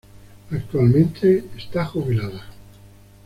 Actualmente, está jubilada.